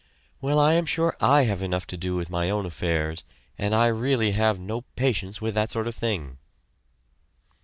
"Well, I am sure I have enough to do with my own affairs, and I really have no patience with that sort of thing!"